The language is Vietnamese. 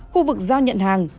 khu vực giao nhận hàng